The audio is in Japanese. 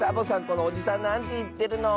このおじさんなんていってるの？